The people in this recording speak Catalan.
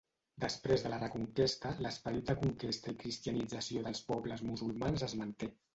Després de la Reconquesta, l'esperit de conquesta i cristianització dels pobles musulmans es manté.